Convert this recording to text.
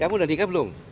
kamu udah nikah belum